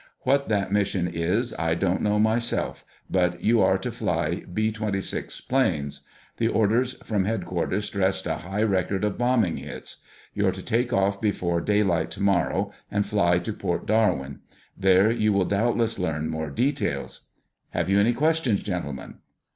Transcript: What that mission is I don't know myself, but you are to fly B 26 planes. The orders from headquarters stressed a high record of bombing hits. You're to take off before daylight tomorrow and fly to Port Darwin. There you will doubtless learn more details. Have you any questions, gentlemen?